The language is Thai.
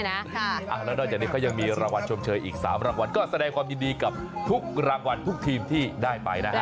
แล้วนอกจากนี้เขายังมีรางวัลชมเชยอีก๓รางวัลก็แสดงความยินดีกับทุกรางวัลทุกทีมที่ได้ไปนะฮะ